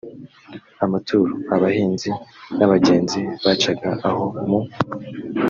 amaturo abahinzi n abagenzi bacaga aho mu